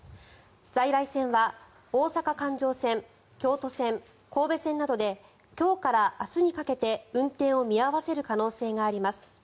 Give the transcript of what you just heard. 在来線は、大阪環状線京都線、神戸線などで今日から明日にかけて運転を見合わせる可能性があります。